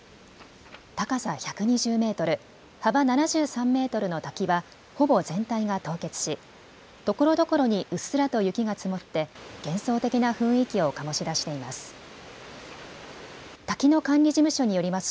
高さ１２０メートル、幅７３メートルの滝はほぼ全体が凍結し、ところどころにうっすらと雪が積もって幻想的な雰囲気を醸し出しています。